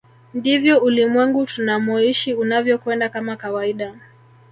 Ndivyo ulimwengu tunamoishi unavyokwenda kama kawaida